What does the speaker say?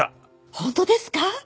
本当ですか？